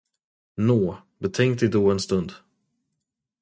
Nå, betänk dig då än en stund!